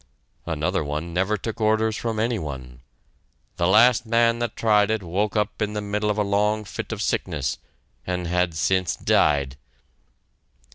Another one never took orders from any one "the last man that tried it, woke up in the middle of a long fit of sickness! and had since died."